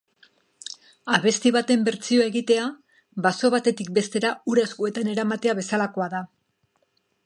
Abesti baten bertsioa egitea baso batetik bestera ura eskuetan eramatea bezalakoa da.